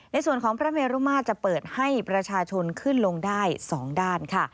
ในส่วนของพระเมรุมาตรจะเปิดให้ประชาชนขึ้นลงได้๒ด้านค่ะ